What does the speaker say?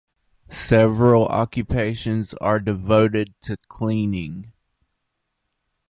Several occupations are devoted to cleaning.